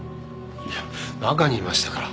いや中にいましたから。